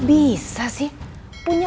bersama sama two